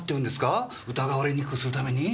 疑われにくくするために？